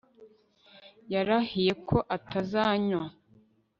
Yarahiye ko atazanywa